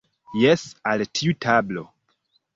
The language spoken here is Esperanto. Jes, al tiu tablo.